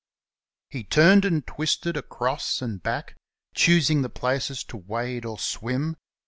He turned and twisted across and back, Choosing the places to wade or swim.